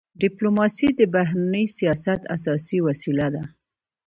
ډيپلوماسي د بهرني سیاست اساسي وسیله ده.